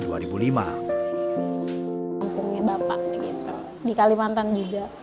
di kalimantan juga